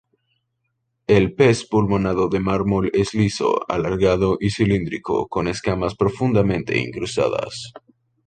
El pez pulmonado de mármol es liso, alargado y cilíndrico con escamas profundamente incrustadas.